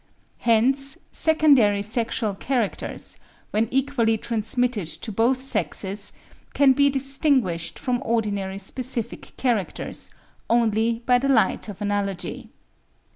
Hence secondary sexual characters, when equally transmitted to both sexes can be distinguished from ordinary specific characters only by the light of analogy.